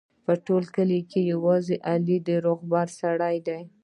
په ټول کلي کې یوازې علي د روغبړ سړی دی.